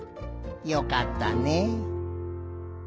よかったねえ。